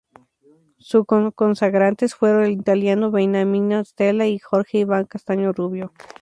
Sus co-consagrantes fueron el italiano Beniamino Stella y Jorge Iván Castaño Rubio.